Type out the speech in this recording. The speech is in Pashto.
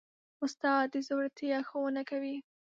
استاد د زړورتیا ښوونه کوي.